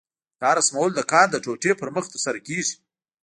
دا رسمول د کار د ټوټې پر مخ ترسره کېږي.